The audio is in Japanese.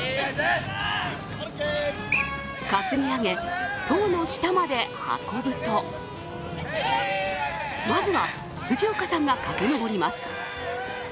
担ぎ上げ、棟の下まで運ぶとまずは辻岡さんが駆け上ります。